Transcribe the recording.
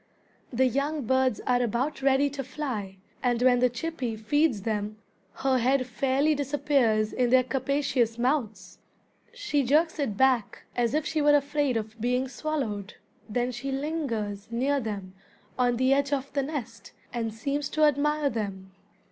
The young birds are about ready to fly, and when the chippy feeds them her head fairly disappears in their capacious mouths. She jerks it back as if she were afraid of being swallowed. Then she lingers near them on the edge of the nest, and seems to admire them.